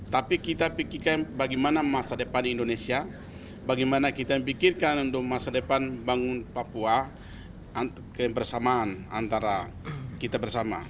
tapi kita pikirkan bagaimana masa depan indonesia bagaimana kita pikirkan untuk masa depan bangun papua kebersamaan antara kita bersama